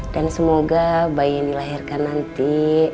dan semoga bayi yang dilahirkan nanti